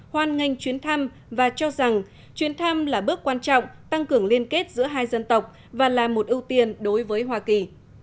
hoan nghênh chuyến thăm và cho rằng chuyến thăm là bước quan trọng tăng cường liên kết giữa hai dân tộc và là một ưu tiên đối với hoa kỳ